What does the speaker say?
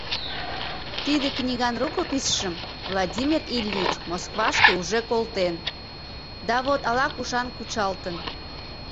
— Тиде книган рукописьшым Владимир Ильич Москвашке уже колтен, да вот ала-кушан кучалтын.